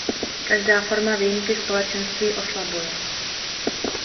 Každá forma výjimky Společenství oslabuje.